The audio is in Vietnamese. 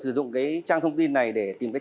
sử dụng cái trang thông tin này để tìm cách